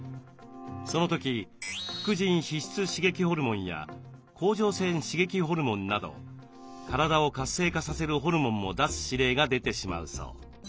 その時副腎皮質刺激ホルモンや甲状腺刺激ホルモンなど体を活性化させるホルモンも出す指令が出てしまうそう。